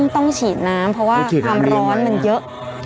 ต้องฉีดน้ำเพราะว่าความร้อนมันเยอะ